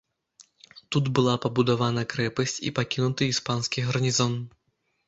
Тут была пабудавана крэпасць і пакінуты іспанскі гарнізон.